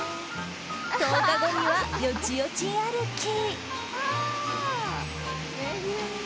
１０日後には、よちよち歩き。